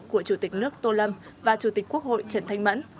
của chủ tịch nước tô lâm và chủ tịch quốc hội trần thanh mẫn